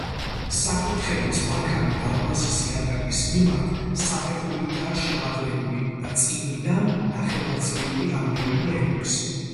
საკურთხევლის ბაქანი დარბაზის იატაკის მიმართ საფეხურითაა შემაღლებული და წინიდან ნახევარწრიული ამბიონი ეკვრის.